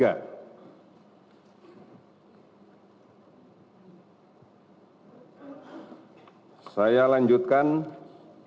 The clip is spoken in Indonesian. terus juga tracing dari subcluster brasier